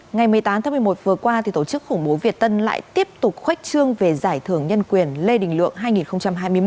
ngày một mươi tám tháng một mươi một vừa qua tổ chức khủng bố việt tân lại tiếp tục khoách trương về giải thưởng nhân quyền lê đình lượng hai nghìn hai mươi một